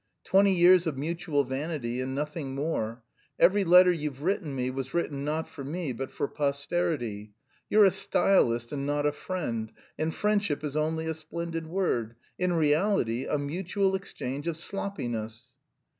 Twenty years of mutual vanity, and nothing more. Every letter you've written me was written not for me but for posterity. You're a stylist, and not a friend, and friendship is only a splendid word. In reality a mutual exchange of sloppiness...."